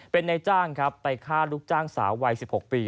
เป็นนายจ้างครับไปฆ่าลูกจ้างสาววัย๑๖ปี